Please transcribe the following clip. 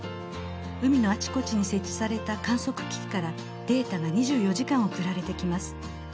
海のあちこちに設置された観測機器からデータが２４時間送られてきます。